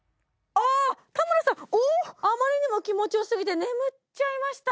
あまりにも気持ちよすぎて眠っちゃいました